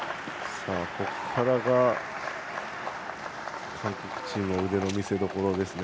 ここからが韓国チームの腕の見せどころですね。